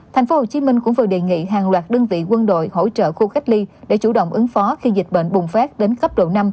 tp hcm cũng vừa đề nghị hàng loạt đơn vị quân đội hỗ trợ khu cách ly để chủ động ứng phó khi dịch bệnh bùng phát đến cấp độ năm